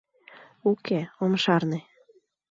— Уке, ом шарне...